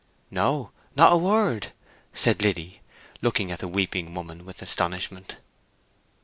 "No—not a word!" said Liddy, looking at the weeping woman with astonishment.